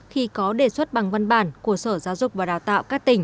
khi có đề xuất bằng văn bản của sở giáo dục và đào tạo các tỉnh